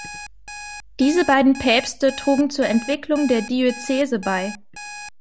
Diese beiden Päpste trugen zur Entwicklung der Diözese bei.